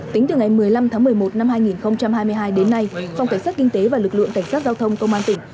tính từ ngày một mươi năm tháng một mươi một năm hai nghìn hai mươi hai đến nay phòng cảnh sát kinh tế và lực lượng cảnh sát giao thông công an tỉnh